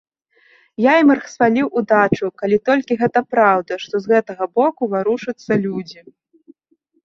Я ім расхваліў удачу, калі толькі гэта праўда, што з гэтага боку варушацца людзі.